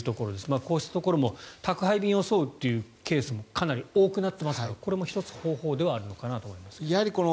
こうしたところも宅配便を装うケースも多くなっていますからこれも１つ方法ではあるのかなと思います。